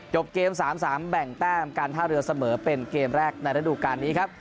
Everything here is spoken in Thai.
เกม๓๓แบ่งแต้มการท่าเรือเสมอเป็นเกมแรกในระดูการนี้ครับ